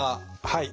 はい。